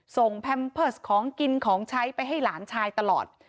แพมเพิร์สของกินของใช้ไปให้หลานชายตลอด